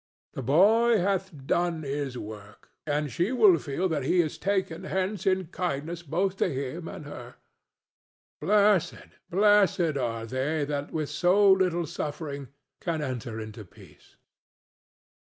The boy hath done his work, and she will feel that he is taken hence in kindness both to him and her. Blessed, blessed are they that with so little suffering can enter into peace!"